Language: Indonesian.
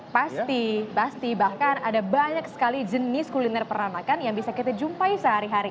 pasti pasti bahkan ada banyak sekali jenis kuliner peranakan yang bisa kita jumpai sehari hari